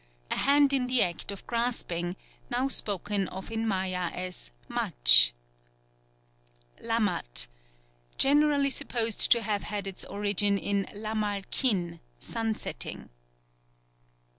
_ "A hand in the act of grasping," now spoken of in Maya as mach. 5th. Lamat. Generally supposed to have had its origin in lamal kin, "sun setting."